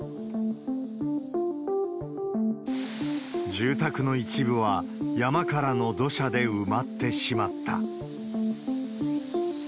住宅の一部は山からの土砂で埋まってしまった。